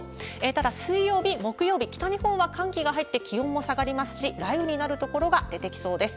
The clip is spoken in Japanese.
ただ、水曜日、木曜日、北日本は寒気が入って気温も下がりますし、雷雨になる所が出てきそうです。